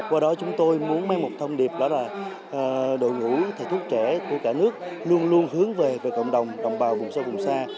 qua đó chúng tôi muốn mang một thông điệp đó là đội ngũ thầy thuốc trẻ của cả nước luôn luôn hướng về về cộng đồng đồng bào vùng sâu vùng xa